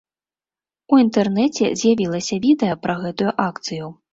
У інтэрнэце з'явілася відэа пра гэтую акцыю.